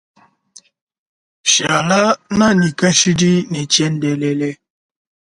Shala nʼanyi kashid ne tshiendelele.